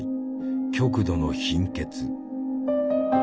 極度の貧血。